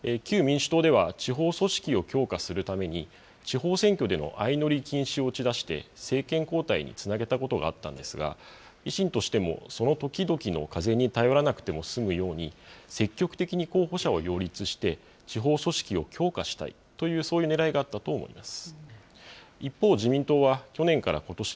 旧民主党では地方組織を強化するために、地方選挙での相乗り禁止を打ち出し、政権交代につなげたことがあったんですが、維新としてもその時々の風に頼らなくても済むように、積極的に候補者を擁立して、地方組織を強化したいという、そういうねらいがあったと思います。